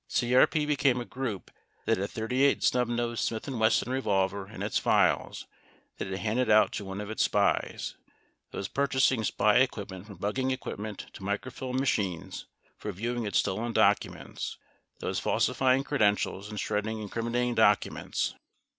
47 CRP became a group that had a .38 snub nosed, Smith and Wesson revolver in its files that it handed out to one of its spies, 48 that was purchasing spy equipment from bugging equipment to microfilm machines for viewing its stolen documents, that was falsifying credentials, and shredding incriminating documents.